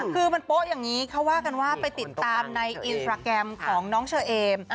คือมันโป๊ะอย่างนี้เขาว่ากันว่าไปติดตามในอินสตราแกรมของน้องเชอเอม